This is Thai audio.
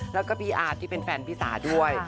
แล้วก็พี่อาร์ตที่เป็นแฟนพี่สาด้วย